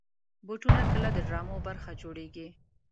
بوټونه کله د ډرامو برخه جوړېږي.